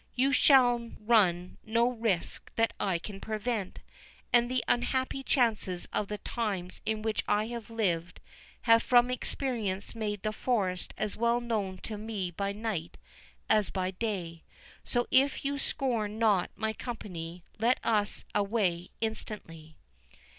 "You shall run no risk that I can prevent; and the unhappy chances of the times in which I have lived have from experience made the forest as well known to me by night as by day. So, if you scorn not my company, let us away instantly."